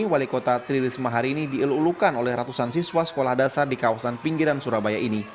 wali kota tri risma hari ini dielu ulukan oleh ratusan siswa sekolah dasar di kawasan pinggiran surabaya ini